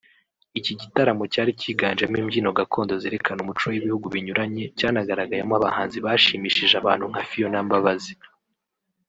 Iki gitaramo cyari kiganjemo imbyino gakondo zerekana umuco w’ibihugu binyuranye cyanagaragayemo abahanzi bashimishije abantu nka Phionnah Mbabazi